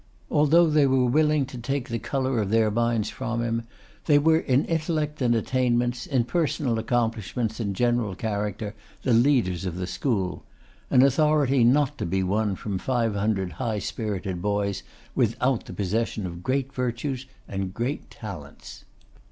Although they were willing to take the colour of their minds from him, they were in intellect and attainments, in personal accomplishments and general character, the leaders of the school; an authority not to be won from five hundred high spirited boys without the possession of great virtues and great talents.